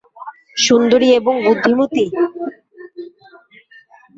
সুন্দরী এবং বুদ্ধিমতী?